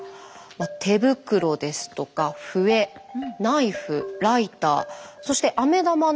手袋ですとか笛ナイフライターそしてアメ玉７個などなど。